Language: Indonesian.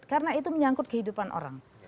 karena itu menyangkut kehidupan orang